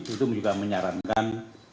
itu juga menyarankan